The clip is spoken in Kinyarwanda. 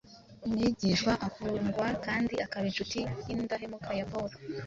umwigishwa ukundwa kandi akaba incuti y’indahemuka ya Pawulo